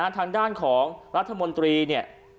ทางด้านของรัฐมนตรี